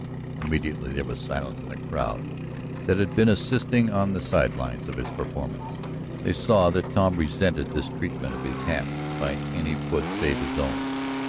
Immediately there was silence in the crowd that had been assisting on the side lines of his performance. They saw that Tom resented this treatment of his hat by any foot save his own.